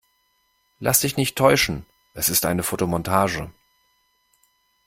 Lass dich nicht täuschen, es ist eine Fotomontage.